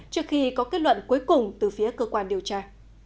trước khi có kết luận cuối cùng từ phía cơ quan điều tra